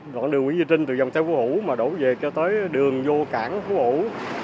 đoạn đường nguyễn duy trình từ dòng xe phú hữu mà đổ về cho tới đường vô cảng phú hữu